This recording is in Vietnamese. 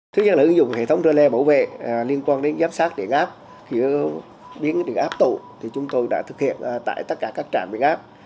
thứ nhất là ứng dụng hệ thống rơ le bảo vệ liên quan đến giám sát điện áp biến áp tụ thì chúng tôi đã thực hiện tại tất cả các trạm biến áp